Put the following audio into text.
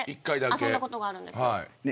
１回だけ遊んだことがあるんですよ。